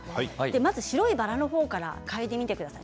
まず白いバラの方から嗅いでみてください。